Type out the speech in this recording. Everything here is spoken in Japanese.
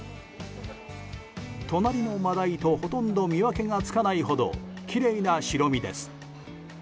隣のマダイとほとんど見分けがつかないほどきれいな白身です。